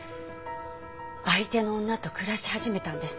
相手の女と暮らし始めたんです。